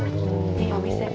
いいお店。